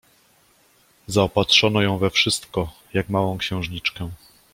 Zaopatrzono ją we wszystko, jak małą księżniczkę.